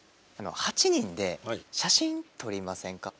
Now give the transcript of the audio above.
８人で写真撮りませんか？